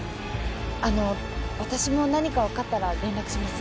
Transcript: あの私も何か分かったら連絡します。